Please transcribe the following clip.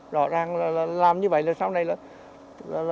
rõ ràng là làm như vậy là sao đây đó